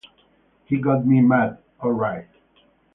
He got me mad, all right.